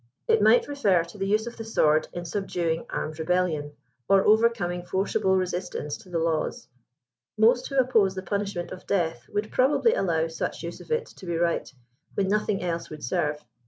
It might refer to the use of the sword in subduing armed rebellion, or overcoming forcible resistance to the laws» Most who oppose the punishment of death, would probably allow such use of it to be right, when nothing else would serve.